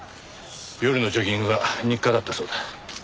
夜のジョギングが日課だったそうだ。